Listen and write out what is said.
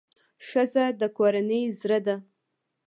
ښځه د کورنۍ زړه ده.